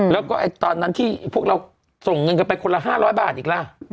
แล้วก็ตอนนั้นที่พวกเราส่งเงินกันไปคนละ๕๐๐บาทอีกล่ะ